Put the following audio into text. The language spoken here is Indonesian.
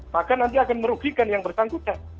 maka nanti akan merugikan yang bersangkutan